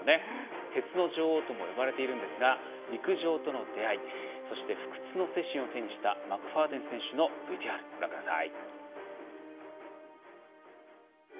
鉄の女王とも呼ばれていますが陸上との出会いそして、不屈の精神を手にしたマクファーデン選手のＶＴＲご覧ください。